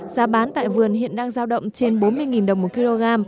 giá bán tại vườn hiện đang giao động trên bốn mươi đồng một kg